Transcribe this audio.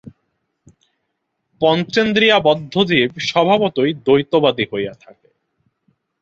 পঞ্চেন্দ্রিয়াবন্ধ জীব স্বভাবতই দ্বৈতবাদী হইয়া থাকে।